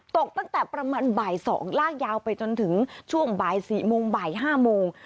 ตกตั้งแต่ประมาณบ่าย๒ลากยาวไปจนถึงช่วงบ่าย๔โมงบ่าย๕โมง